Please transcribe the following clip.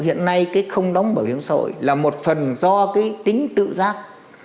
hiện nay cái không đóng bảo hiểm xã hội là một phần do cái tính tự giác